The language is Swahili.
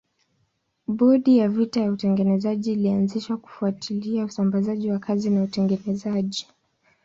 Bodi ya vita ya utengenezaji ilianzishwa kufuatilia usambazaji wa kazi na utengenezaji.